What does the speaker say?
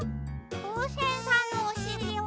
ふうせんさんのおしりは。